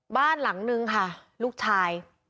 บ้านหลังนึงค่ะลูกชาย